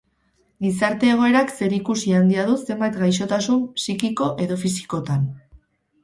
Gizarte-egoerak zerikusi handia du zenbait gaixotasun psikiko edo fisikotan.